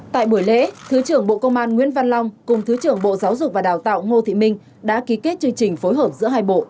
tại buổi lễ thứ trưởng bộ công an nguyễn văn long cùng thứ trưởng bộ giáo dục và đào tạo ngô thị minh đã ký kết chương trình phối hợp giữa hai bộ